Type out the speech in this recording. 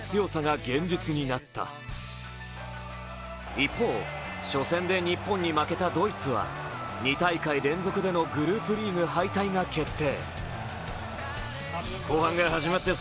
一方、初戦で日本に負けたドイツは２大会連続でのグループリーグ敗退が決定。